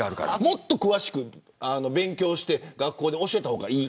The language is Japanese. もっと詳しく学校で教えた方がいい。